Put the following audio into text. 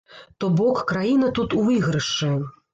То бок, краіна тут у выйгрышы.